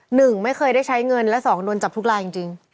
หนึ่งไม่เคยได้ใช้เงินและสองโดนจับทุกลายจริง